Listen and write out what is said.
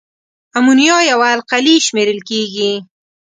امونیا یوه القلي شمیرل کیږي.